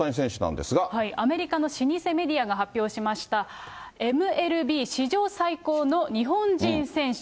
アメリカの老舗メディアが発表しました、ＭＬＢ史上最高の日本人選手。